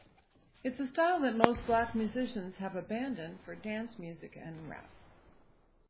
It's a style that most black musicians have abandoned for dance music and rap.